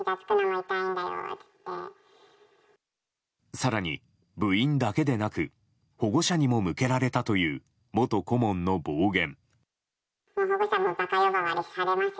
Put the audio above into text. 更に、部員だけでなく保護者にも向けられたという元顧問の暴言。